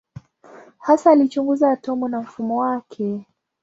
Hasa alichunguza atomu na mfumo wake.